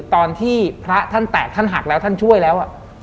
ตอนที่พระท่านแตกท่านหักแล้วท่านช่วยแล้ว